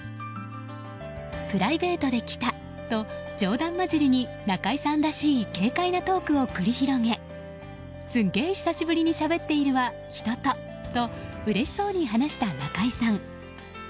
プライベートで来たと冗談交じりに中居さんらしい軽快なトークを繰り広げすっげえ久しぶりにしゃべっているわ人と、とうれしそうに話した中居さん。